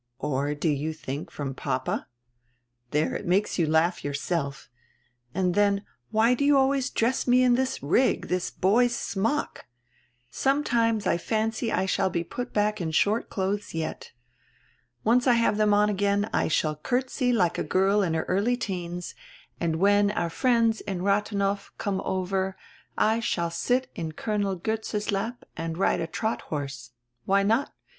Or do you think, from papa? There, it makes you laugh yourself. And then, why do you always dress me in this rig, this boy's smock? Sometimes I fancy I shall be put back in short clothes yet. Once I have them on again I shall courtesy like a girl in her early teens, and when our friends in Rathenow come over I shall sit in Colonel Goetze's lap and ride a trot horse. Why not?